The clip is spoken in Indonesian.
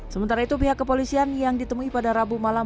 sementara itu pihak kepolisian yang ditemui pada rabu malam